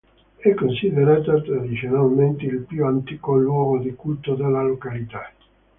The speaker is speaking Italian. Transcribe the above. È considerata tradizionalmente il più antico luogo di culto della località.